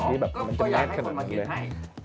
ก็อยากให้คนมาเขียนให้